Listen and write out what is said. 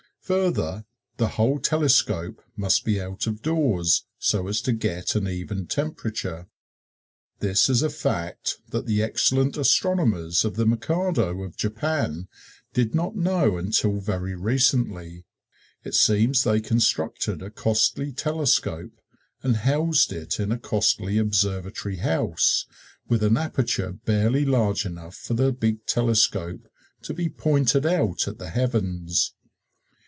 Further, the whole telescope must be out of doors so as to get an even temperature. This is a fact that the excellent astronomers of the Mikado of Japan did not know until very recently. It seems they constructed a costly telescope and housed it in a costly observatory house, with an aperture barely large enough for the big telescope to be pointed out at the heavens.